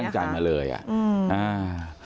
ตั้งใจมาเลยอ่ะอืม